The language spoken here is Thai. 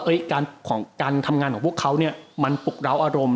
เอ๊ะการทำงานของพวกเค้ามันปลุกร้าวอารมณ์